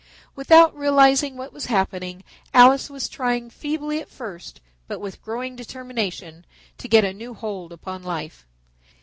Without realizing what was happening, Alice was trying feebly at first, but with growing determination, to get a new hold upon life.